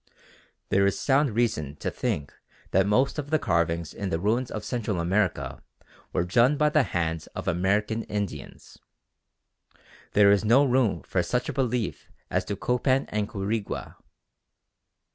There is sound reason to think that most of the carvings in the ruins of Central America were done by the hands of American Indians. There is no room for such a belief as to Copan and Quirigua.